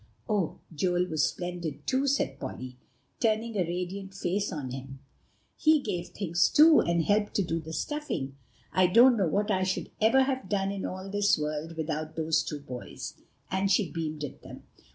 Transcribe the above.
"Oh! Joel was splendid too," said Polly, turning a radiant face on him; "he gave things too, and helped to do the stuffing. I don't know what I should ever have done in all this world without those two boys;" and she beamed at them.